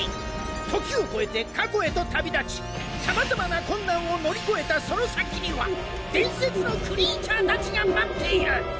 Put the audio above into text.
時を超えて過去へと旅立ちさまざまな困難を乗り越えたその先には伝説のクリーチャーたちが待っている。